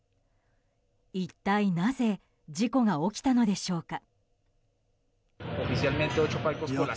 一体なぜ事故が起きたのでしょうか。